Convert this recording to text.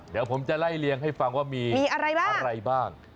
เดี๋ยวผมจะไล่เลียงให้ฟังว่ามีอะไรบ้าง